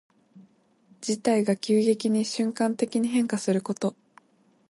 事態が急激に瞬間的に変化すること。